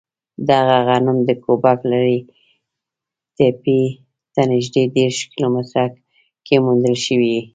دغه غنم د ګوبک لي تپې ته نږدې دېرش کیلو متره کې موندل شوی.